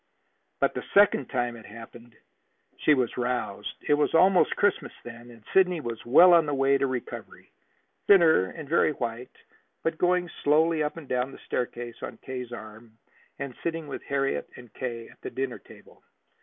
But the second time it happened, she was roused. It was almost Christmas then, and Sidney was well on the way to recovery, thinner and very white, but going slowly up and down the staircase on K.'s arm, and sitting with Harriet and K. at the dinner table.